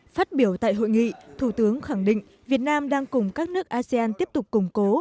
phát biểu tại hội nghị thủ tướng khẳng định việt nam đang cùng các nước asean tiếp tục củng cố